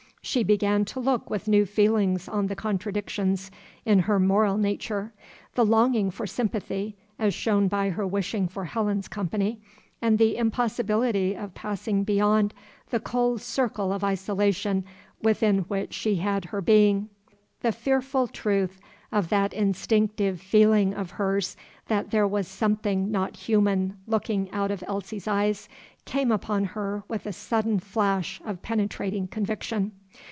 She began to look with new feelings on the contradictions in her moral nature, the longing for sympathy, as shown by her wishing for Helen's company, and the impossibility of passing beyond the cold circle of isolation within which she had her being. The fearful truth of that instinctive feeling of hers, that there was something not human looking out of Elsie's eyes, came upon her with a sudden flash of penetrating conviction.